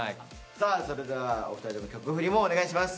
さあそれではお二人とも曲振りもお願いします。